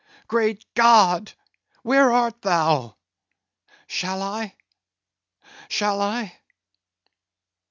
Great God, where art Thou? Shall I? shall I?